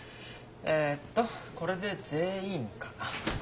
えっとこれで全員かな？